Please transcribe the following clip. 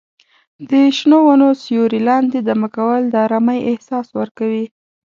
د شنو ونو سیوري لاندې دمه کول د ارامۍ احساس ورکوي.